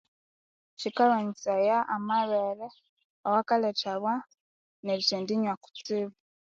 Kikamanyisaya amalweri awakalhethawa erithendinywa kutsibu